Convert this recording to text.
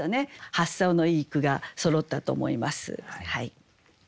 発想のいい句がそろったと思います。